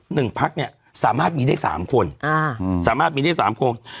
หนึ่งพักเนี้ยสามารถมีได้สามคนอ่าอืมสามารถมีได้สามคน